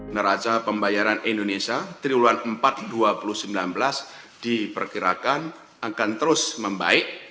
neraca pembayaran indonesia triwulan empat dua ribu sembilan belas diperkirakan akan terus membaik